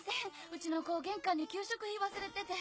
うちの子玄関に給食費忘れてて。